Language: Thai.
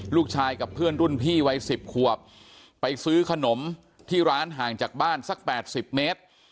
กับเพื่อนรุ่นพี่วัย๑๐ขวบไปซื้อขนมที่ร้านห่างจากบ้านสัก๘๐เมตร